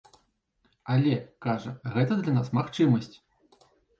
Але, кажа, гэта для нас магчымасць.